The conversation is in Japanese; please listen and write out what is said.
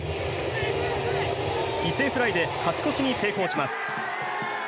犠牲フライで勝ち越しに成功します。